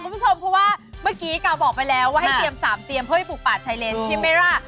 เพราะว่าเมื่อกี้กั๊วบอกไปแล้วว่าให้เตรียม๓เตรียมของผูกปลาชัยเลนใช่มั้ยแร้ะ